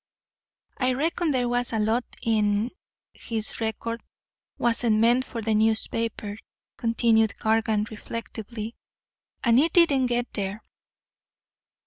"I reckon there was a lot in his record wasn't meant for the newspapers," continued Cargan reflectively. "And it didn't get there.